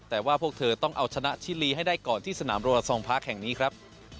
แต่ว่าพวกเธอต้องเอาชนะชิลีให้ได้ก่อนที่สนามโรลาซองพาร์คแห่งนี้ครับ